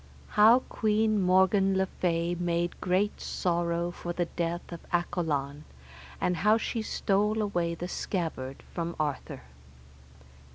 How Queen Morgan le Fay made great sorrow for the death of Accolon, and how she stole away the scabbard from Arthur.